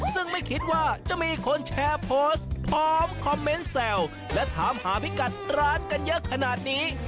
ซึ่งไม่คิดว่าจะมีคนแชร์โพสต์พร้อมคอมเมนต์แซวและถามหาพิกัดร้านกันเยอะขนาดนี้